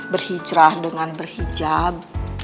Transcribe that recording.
berhijrah dengan berhijab